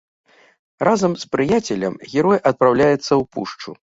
Разам з прыяцелем герой адпраўляецца ў пушчу.